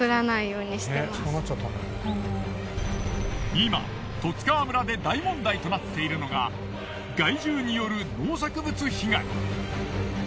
今十津川村で大問題となっているのが害獣による農作物被害。